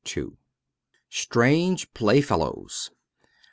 STRANGE PLAYFELLOWS.